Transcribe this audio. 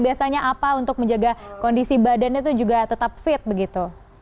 biasanya apa untuk menjaga kondisi badannya itu juga tetap fit begitu